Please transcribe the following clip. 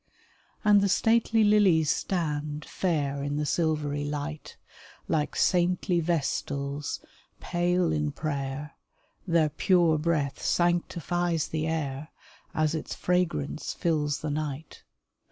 And the stately lilies stand Fair in the silvery light, Like saintly vestals, pale in prayer ; Their pure breath sanctifies the air, As its fragrance fills the night.